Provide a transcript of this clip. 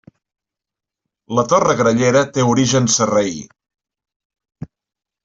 La Torre Grallera té origen sarraí.